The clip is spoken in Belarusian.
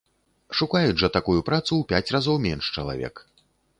Шукаюць жа такую працу ў пяць разоў менш чалавек.